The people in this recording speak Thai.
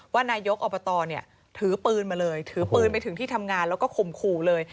นายกอบตเนี่ยถือปืนมาเลยถือปืนไปถึงที่ทำงานแล้วก็ข่มขู่เลย